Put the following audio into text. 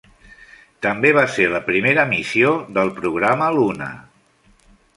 També va ser la primera missió del programa Luna.